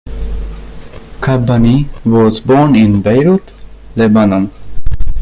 Kabbani was born in Beirut, Lebanon.